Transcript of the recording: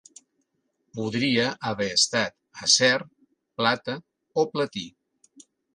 Podria haver estat acer, plata o platí.